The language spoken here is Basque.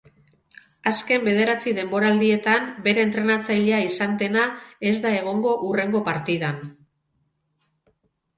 Azken bederatzi denboraldietan bere entrenatzailea izan dena ez da egongo hurrengo partidan.